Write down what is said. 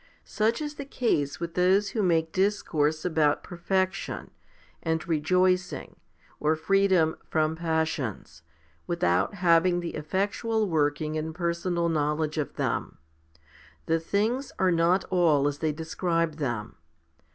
Such is the case with those who make discourse about perfection, and rejoicing, or freedom from passions, without having the effectual working and personal knowledge of them. The things are not all as they describe them.